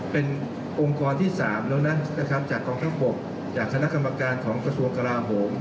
เป็นองค์กรที่สามแล้วนะครับจากองค์ข้างบบจากคณะกรรมการของกระทรวงกราหงษ์